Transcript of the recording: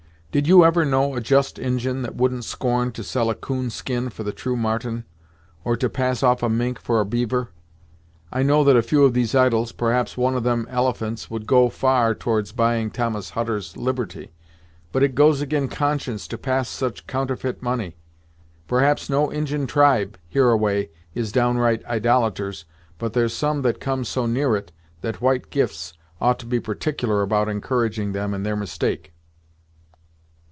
Did you ever know a just Injin that wouldn't scorn to sell a 'coon skin for the true marten, or to pass off a mink for a beaver. I know that a few of these idols, perhaps one of them elephants, would go far towards buying Thomas Hutter's liberty, but it goes ag'in conscience to pass such counterfeit money. Perhaps no Injin tribe, hereaway, is downright idolators but there's some that come so near it, that white gifts ought to be particular about encouraging them in their mistake."